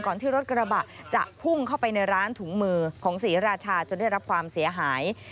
ที่รถกระบะจะพุ่งเข้าไปในร้านถุงมือของศรีราชาจนได้รับความเสียหาย